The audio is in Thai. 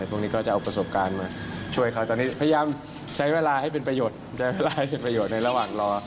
พวกนี้ก็จะเอาประสบการณ์มาช่วยเขาตอนนี้พยายามใช้เวลาให้เป็นประโยชน์ใช้เวลาให้เป็นประโยชน์ในระหว่างรอ